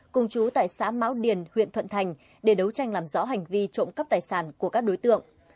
cùng chú tại xã mão điền huyện thuận thành để đấu tranh làm rõ hành vi trộm cắp tài sản của các đối tượng